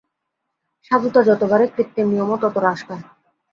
সাধুতা যত বাড়ে কৃত্রিম নিয়মও তত হ্রাস পায়।